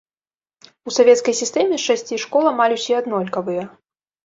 У савецкай сістэме з шасці школ амаль усе аднолькавыя.